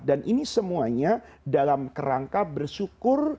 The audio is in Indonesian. ini semuanya dalam kerangka bersyukur